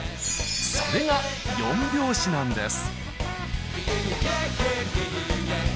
それが４拍子なんです。